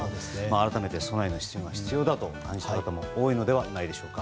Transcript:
改めて備えの必要が感じた方も多いのではないでしょうか。